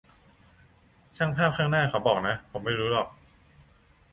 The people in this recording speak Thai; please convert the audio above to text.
ช่างภาพข้างหน้าเขาบอกนะ ผมไม่รู้หรอก